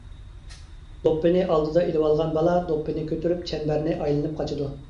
دوپپىنى ئالدىدا ئېلىۋالغان بالا دوپپىنى كۆتۈرۈپ چەمبەرنى ئايلىنىپ قاچىدۇ.